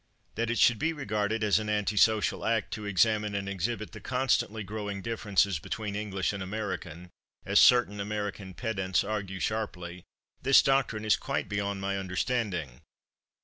That it should be regarded as an anti social act to examine and exhibit the constantly growing differences between English and American, as certain American pedants argue sharply this doctrine is quite beyond my understanding.